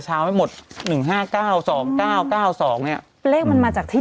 เช้าไม่หมดหนึ่งห้าเก้าสองเก้าเก้าสองเนี้ยเลขมันมาจากที่